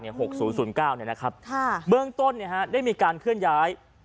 ๖๐๐๙นะครับเบื้องต้นเนี่ยฮะได้มีการเคลื่อนย้าย